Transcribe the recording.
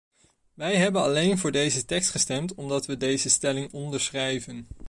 Wij hebben alleen voor deze tekst gestemd omdat we deze stelling onderschrijven.